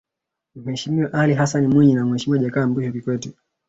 Mheshimiwa Alli Hassani Mwinyi na Mheshimiwa Jakaya Mrisho Kikwete